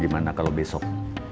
gimana kalau besok